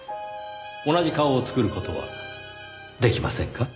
同じ顔を作る事はできませんか？